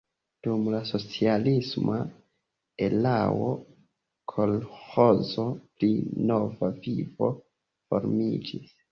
Dum la socialisma erao kolĥozo pri Nova Vivo formiĝis.